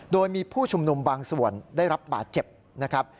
โดยมีผู้ชุมนุมบางส่วนได้รับบาดเจ็บนะครับ